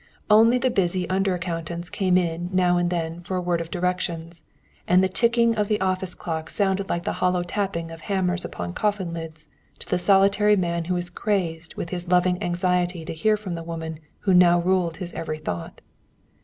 Only the busy under accountants came in now and then for a word of directions, and the ticking of the office clock sounded like the hollow tapping of hammers upon coffin lids to the solitary man who was crazed with his loving anxiety to hear from the woman who now ruled his every thought.